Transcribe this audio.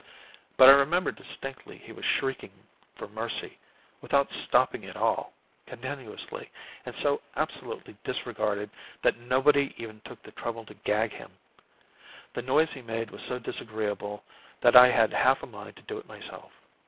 But I remember distinctly he was shrieking for mercy, without stopping at all, continuously, and so absolutely disregarded that nobody even took the trouble to gag him. The noise he made was so disagreeable that I had half a mind to do it myself.